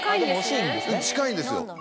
でも近いんですね。